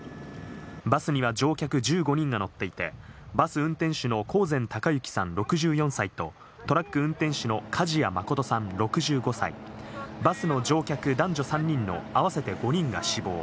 バスには乗客１５人が乗っていて、バス運転手の興膳孝幸さん６４歳と、トラック運転手の梶谷誠さん６５歳、バスの乗客男女３人の合わせて５人が死亡。